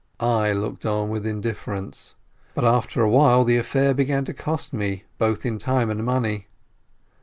I looked on with indifference, but after a while the affair began to cost me both time and money.